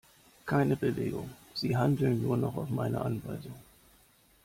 Keine Bewegung, sie handeln nur noch auf meine Anweisung!